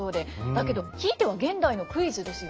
だけどひいては現代のクイズですよね。